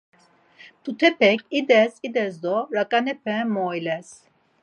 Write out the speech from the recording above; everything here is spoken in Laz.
Mtutepek ides ides do raǩanepe moiles.